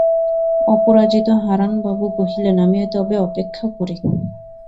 অপরাজিত হারানবাবু কহিলেন, আমি তবে অপেক্ষা করি।